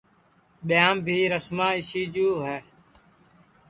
ٻیاں بھی رسما اِسی جو ہے